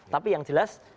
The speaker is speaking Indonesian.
tapi yang jelas